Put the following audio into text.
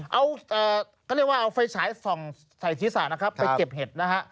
เอาเขาเรียกว่าเอาไฟฉายส่องใส่ศีรษะนะครับไปเก็บเห็ดนะฮะ